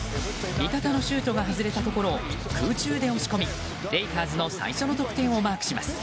味方のシュートが外れたところを空中で押し込みレイカーズの最初の得点をマークします。